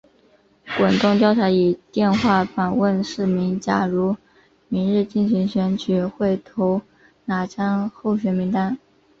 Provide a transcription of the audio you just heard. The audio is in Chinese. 滚动调查以电话访问市民假如明日进行选举会投哪张候选名单。